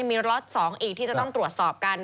มีล็อต๒อีกที่จะต้องตรวจสอบกัน